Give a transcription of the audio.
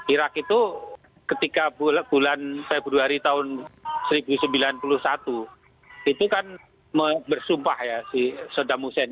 irak itu ketika bulan februari tahun seribu sembilan ratus sembilan puluh satu itu kan bersumpah ya si soda hussein